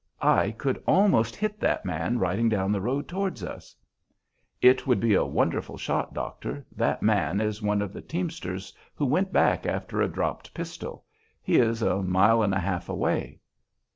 I could almost hit that man riding down the road towards us." "It would be a wonderful shot, doctor. That man is one of the teamsters who went back after a dropped pistol. He is a mile and a half away."